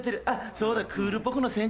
そうだ。